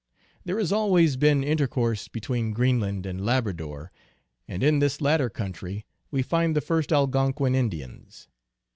There has always been intercourse between Green land and Labrador, and in this latter country we find INTRODUCTION. 11 the first Algonquin Indians.